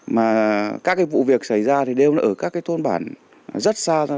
mà các vụ việc xảy ra đều ở các thôn bản rất xa